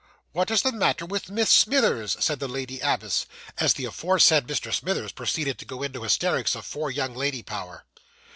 'What is the matter with Miss Smithers?' said the lady abbess, as the aforesaid Miss Smithers proceeded to go into hysterics of four young lady power.